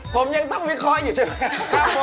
ผมยังต้องวิเคราะห์อยู่ใช่ไหมครับผม